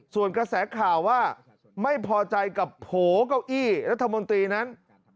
ส่วนกระแสข่าวว่าไม่พอใจกับโผล่เก้าอี้รัฐมนตรีนั้น